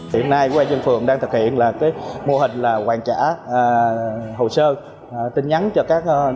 hiện nay quang dân phường đang thực hiện mô hình hoàn trả hồ sơ